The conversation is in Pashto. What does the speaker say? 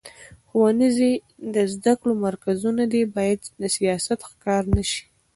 ښوونځي د زده کړو مرکزونه دي، باید د سیاست ښکار نه شي.